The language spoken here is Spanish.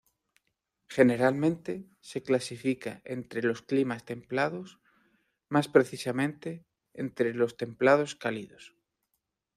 Generalmente, se clasifica entre los climas templados; más precisamente, entre los templados cálidos.